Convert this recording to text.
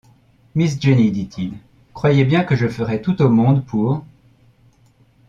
Miss Jenny, dit-il, croyez bien que je ferai tout au monde pour…